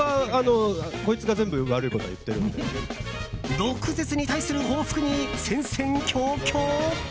毒舌に対する報復に戦々恐々？